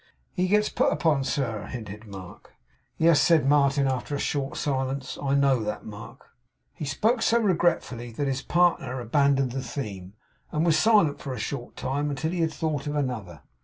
'He gets put upon, sir,' hinted Mark. 'Yes!' said Martin, after a short silence. 'I know that, Mark.' He spoke so regretfully that his partner abandoned the theme, and was silent for a short time until he had thought of another.